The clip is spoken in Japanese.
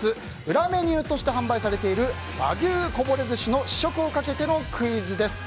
裏メニューとして販売されている和牛こぼれ寿司の試食をかけてのクイズです。